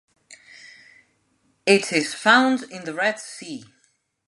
It is found in the Red Sea.